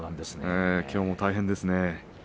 きょうも大変ですね。